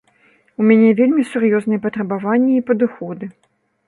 У мяне вельмі сур'ёзныя патрабаванні і падыходы.